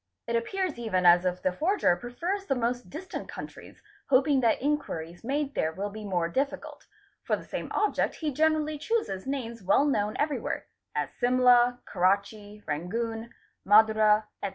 It appears even as if the forger prefers the most distant countries, hoping that inquiries madé there will be more difficult; for the same object he generally chooses COUNTERFEITING SEALS, ETC. 781 names well known everywhere, as Simla, Karachi, Rangoon, Madura, etc.